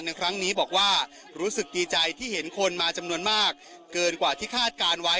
ในครั้งนี้บอกว่ารู้สึกดีใจที่เห็นคนมาจำนวนมากเกินกว่าที่คาดการณ์ไว้